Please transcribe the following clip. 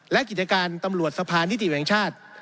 และกิจการตำรวจสะพานนิติแห่งชาติ